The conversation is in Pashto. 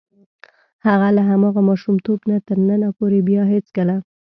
هغه له هماغه ماشومتوب نه تر ننه پورې بیا هېڅکله.